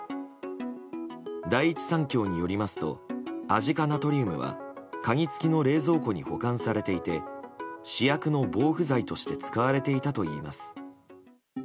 第一三共によりますとアジ化ナトリウムは鍵付きの冷蔵庫に保管されていて試薬の防腐剤として使われていたといいます。